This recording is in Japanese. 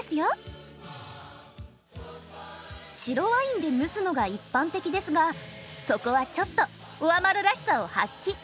白ワインで蒸すのが一般的ですがそこはちょっとオアマルらしさを発揮。